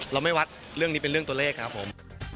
เราไม่วัดเรื่องนี้เป็นเรื่องตัวเลขครับผม